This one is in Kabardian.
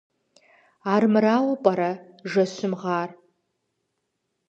Армырауэ пӀэрэ жэщым гъар?